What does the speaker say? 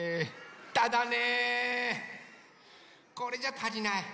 ただねこれじゃたりない。